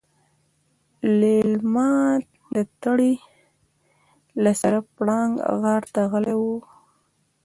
ليلما د تړې له سره پړانګ غار ته غلې وه.